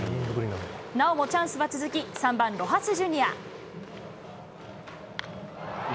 なおもチャンスは続き、３番ロハス・ジュニア。